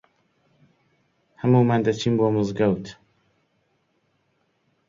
هەموومان دەچین بۆ مزگەوت.